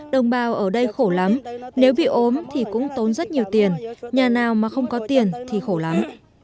đồng bào ở đây khổ lắm nếu bị ốm thì cũng tốn rất nhiều tiền nhà nào mà không có tiền thì khổ lắm